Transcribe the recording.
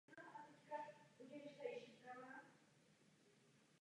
Ihned potom byl generál za nejasných okolností zabit pěti výstřely.